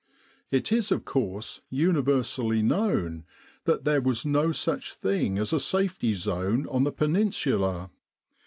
It is of course universally known that there was no such thing as a safety zone on the Peninsula.